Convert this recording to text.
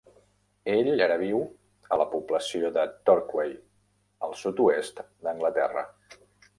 Ell ara viu a la població de Torquay, al sud-oest d'Anglaterra.